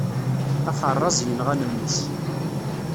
Axeṛṛaz yenɣan mmi-s.